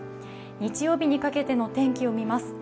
日曜日にかけてのお天気を見ます。